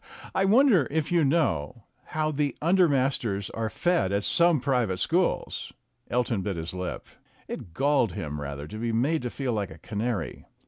Ah! I wonder if you know how the under masters are fed at some private schools?" Elton bit his lip. It galled him rather to be made to feel like a canary.